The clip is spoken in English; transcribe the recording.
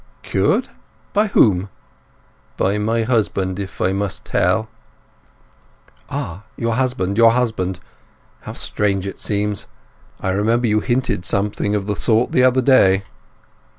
"Cured? By whom?" "By my husband, if I must tell." "Ah—your husband—your husband! How strange it seems! I remember you hinted something of the sort the other day.